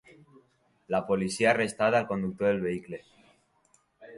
La policia ha arrestat el conductor del vehicle.